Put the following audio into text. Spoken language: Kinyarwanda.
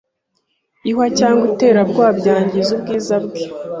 ihwa cyangwa iterabwoba byangiza ubwiza bwe